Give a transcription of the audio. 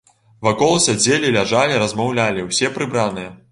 Вакол сядзелі, ляжалі, размаўлялі, усе прыбраныя.